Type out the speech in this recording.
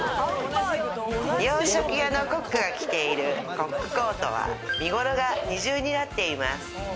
洋食屋のコックが着ているコックコートは、身頃が二重になっています。